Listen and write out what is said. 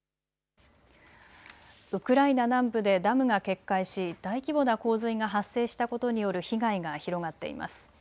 ウクライナ南部でダムが決壊し大規模な洪水が発生したことによる被害が広がっています。